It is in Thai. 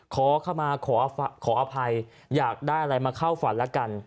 ขอเข้ามาขออภัยอยากได้อะไรมาเข้าฝันแล้วกัน